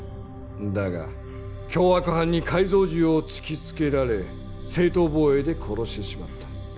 だが凶悪犯に改造銃を突きつけられ正当防衛で殺してしまった。